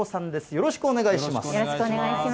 よろしくお願いします。